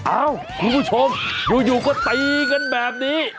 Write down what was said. เอ้าคุณผู้ชมอยู่ก็ตีกันแบบนี้